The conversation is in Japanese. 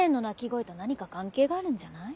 声と何か関係があるんじゃない？